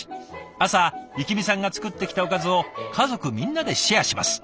朝幸美さんが作ってきたおかずを家族みんなでシェアします。